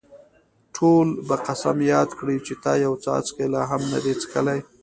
ټول به قسم یاد کړي چې تا یو څاڅکی لا هم نه دی څښلی.